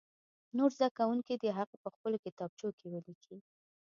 نور زده کوونکي دې هغه په خپلو کتابچو کې ولیکي.